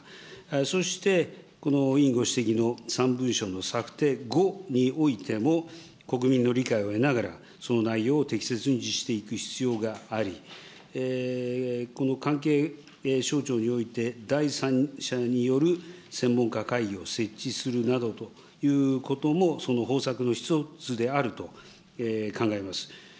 そして、この委員ご指摘の３文書の策定後においても、国民の理解を得ながら、その内容を適切に実施していく必要があり、この関係省庁において、第三者による専門家会議を設置するなどということもその方策の１つであると考えます。